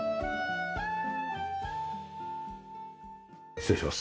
失礼します。